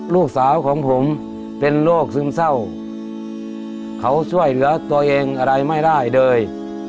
ลูกสาวของผมเป็นโรคซึมเศร้าเขาช่วยเหลือตัวเองอะไรไม่ได้เลย